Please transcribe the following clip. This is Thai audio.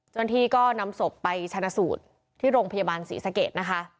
จนที่ก็นำศพไปชนะสูตรที่โรงพยาบาลศรีสะเกด